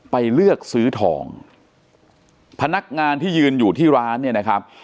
ไปเลือกซื้อทองพนักงานที่ยืนอยู่ที่ร้านเนี่ยนะครับ